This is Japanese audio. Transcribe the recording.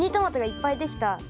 いっぱいできたね